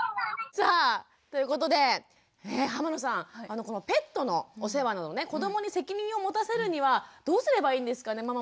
さあということで濱野さんこのペットのお世話のね子どもに責任を持たせるにはどうすればいいんですかね？